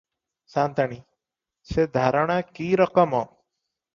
ସା’ନ୍ତାଣୀ – ସେ ଧାରଣା କି’ ରକମ?